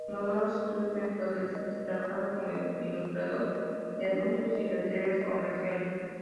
Abandonó los estudios en su adolescencia trabajando como ilustrador de anuncios y letreros comerciales.